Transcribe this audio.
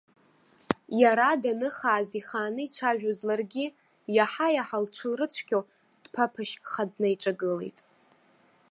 Иара даныхааз ихааны ицәажәоз ларгьы, иаҳа-иаҳа лҽылрыцәгьо, дԥаԥашькха днаиҿагылеит.